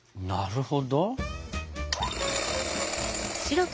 なるほど。